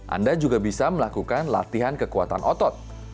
anda juga bisa melakukan latihan kekuatan otot